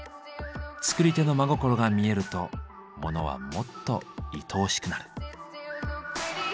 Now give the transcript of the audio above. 作り手の真心が見えるとモノはもっといとおしくなる。